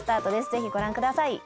ぜひご覧ください。